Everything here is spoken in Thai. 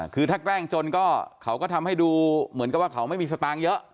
คือถ้าแกล้งจนก็เขาก็ทำให้ดูเหมือนกับว่าเขาไม่มีสตางค์เยอะ